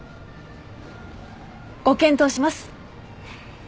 ご検討します。